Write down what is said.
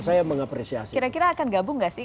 saya mengapresiasi kira kira akan gabung gak sih